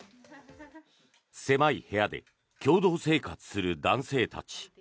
狭い部屋で共同生活する男性たち。